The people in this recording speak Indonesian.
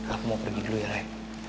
aku mau pergi dulu ya rai